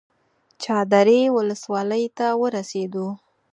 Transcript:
چادرې ولسوالۍ ته ورسېدو.